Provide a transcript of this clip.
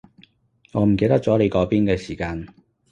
我唔記得咗你嗰邊嘅時間